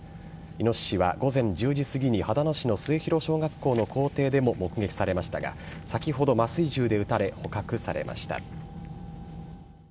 イノシシは午前１０時すぎに秦野市の末広小学校の校庭でも目撃されましたが先ほど麻酔銃で撃たれ捕獲されました。